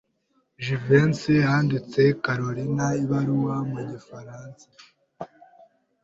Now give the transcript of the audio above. Jivency yanditse Kalorina ibaruwa mu gifaransa.